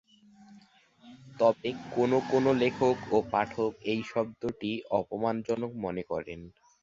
তবে কোনো কোনো লেখক ও পাঠক এই শব্দটি অপমানজনক মনে করেন।